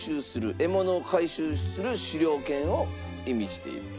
獲物を回収する狩猟犬を意味していると。